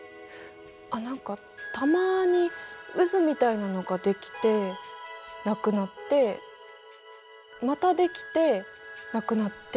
何かたまに渦みたいなのが出来てなくなってまた出来てなくなって。